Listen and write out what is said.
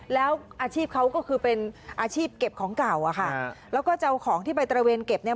แล้วอาชีพเขาก็คือเป็นอาชีพเก็บของเก่าอะค่ะแล้วก็จะเอาของที่ไปตระเวนเก็บเนี่ย